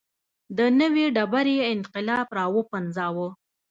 د نوې ډبرې انقلاب راوپنځاوه.